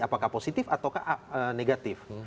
apakah positif atau negatif